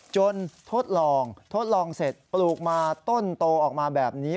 ทดลองทดลองเสร็จปลูกมาต้นโตออกมาแบบนี้